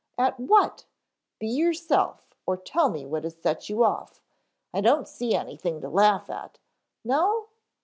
"At what be yourself or tell me what has set you off I don't see anything to laugh at " "No?"